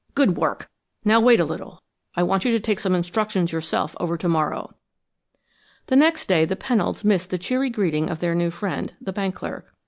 Good work! Now wait a little; I want you to take some instructions yourself over to Morrow." The next day the Pennolds missed the cheery greeting of their new friend, the bank clerk.